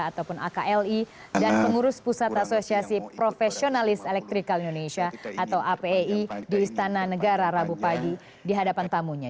ataupun akli dan pengurus pusat asosiasi profesionalis elektrikal indonesia atau apei di istana negara rabu pagi di hadapan tamunya